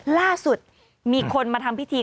ล่าสุดมีคนมาทำพิธี